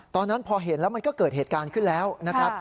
ตอนนั้นพอเห็นแล้วมันก็เกิดเหตุการณ์ขึ้นแล้วนะครับ